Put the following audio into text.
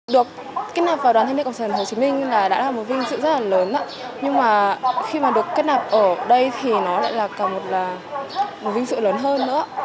đã là một vinh dự rất là lớn nhưng mà khi mà được kết nạp ở đây thì nó lại là cả một vinh dự lớn hơn nữa